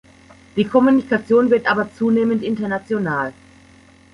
Die Kommunikation wird aber zunehmend international.